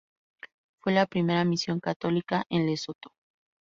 Fue la primera misión católica en Lesotho.